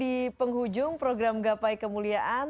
di penghujung program gapai kemuliaan